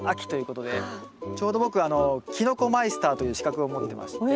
ちょうど僕きのこマイスターという資格を持ってまして。